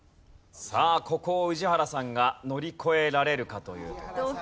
さあここを宇治原さんが乗り越えられるか？というところです。